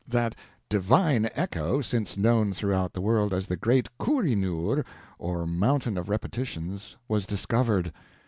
That divine echo, since known throughout the world as the Great Koh i noor, or Mountain of Repetitions, was discovered.